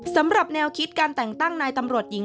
สำหรับแนวคิดการแต่งตั้งนายตำรวจหญิง